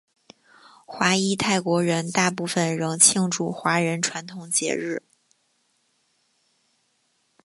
华裔泰国人大部分仍庆祝华人传统节日。